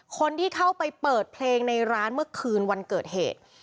คนที่เข้าไปเปิดเพลงในร้านเมื่อคืนวันเกิดเหตุ